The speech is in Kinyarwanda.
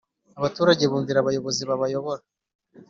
Abaturage bumvira abayobozi babayobora